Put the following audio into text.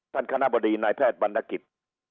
คณะบดีนายแพทย์บรรณกิจ